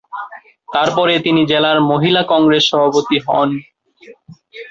তারপরে তিনি জেলার মহিলা কংগ্রেস সভাপতি হন।